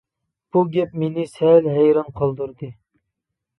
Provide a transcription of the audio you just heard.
بۇ گەپ مېنى سەل ھەيران قالدۇردى.